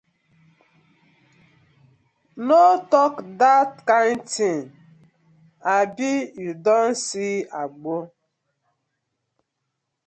No tok dat kind tin, abi yu don see Agbor?